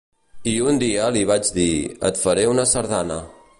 I un dia li vaig dir: et faré una sardana.